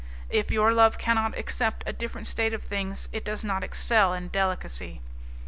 If your love cannot accept a different state of things it does not excel in delicacy.